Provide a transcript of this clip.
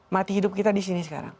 mati hidup kita di sini sekarang